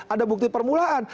ada bukti permulaan